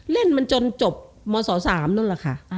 เล่นมันจนจบมศ๓นู่นแหละค่ะ